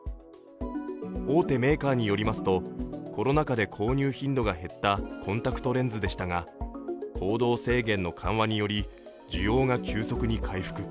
大手メーカーによりますと、コロナ禍で購入頻度が減ったコンタクトレンズでしたが、行動制限の緩和により需要が急速に回復。